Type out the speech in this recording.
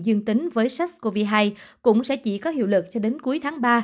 dương tính với sars cov hai cũng sẽ chỉ có hiệu lực cho đến cuối tháng ba